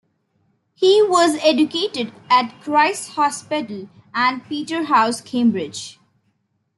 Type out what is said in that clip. He was educated at Christ's Hospital and Peterhouse, Cambridge.